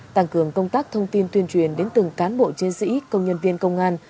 tăng cường công tác thông tin tuyên truyền đến từng cán bộ chiến sĩ công nhân viên công an